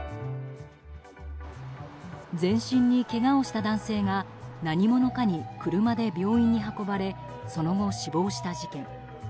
全身にけがをした男性が何者かに車で病院に運ばれその後、死亡した事件。